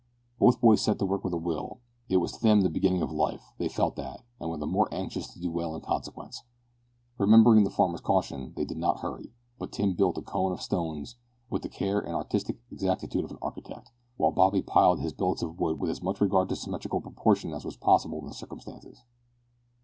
Both boys set to work with a will. It was to them the beginning of life; they felt that, and were the more anxious to do well in consequence. Remembering the farmer's caution, they did not hurry, but Tim built a cone of stones with the care and artistic exactitude of an architect, while Bobby piled his billets of wood with as much regard to symmetrical proportion as was possible in the circumstances.